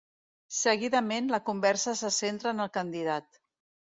Seguidament, la conversa se centra en el candidat.